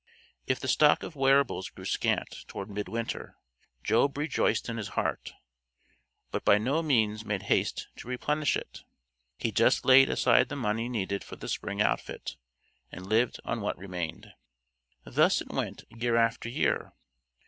If the stock of wearables grew scant toward midwinter, Job rejoiced in his heart, but by no means made haste to replenish it. He just laid aside the money needed for the spring outfit, and lived on what remained. Thus it went year after year.